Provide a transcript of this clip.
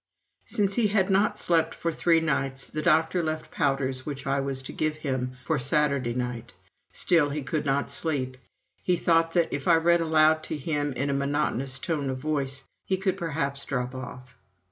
Since he had not slept for three nights, the doctor left powders which I was to give him for Saturday night. Still he could not sleep. He thought that, if I read aloud to him in a monotonous tone of voice, he could perhaps drop off.